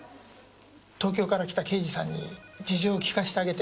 東京から来た刑事さんに事情を聞かせてあげて。